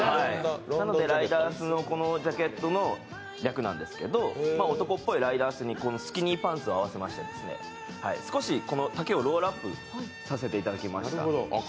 ライダースのこのジャケットの略なんですけど、男っぽいライダースにこのスキニーパンツを合わせまして、丈を少しロールアップさせていただきました。